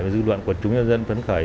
và dư luận của chúng dân phấn khởi